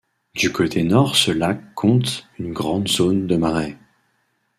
Du côté Nord ce lac compte une grande zone de marais.